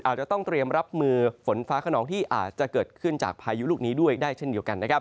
อาจจะต้องเตรียมรับมือฝนฟ้าขนองที่อาจจะเกิดขึ้นจากพายุลูกนี้ด้วยได้เช่นเดียวกันนะครับ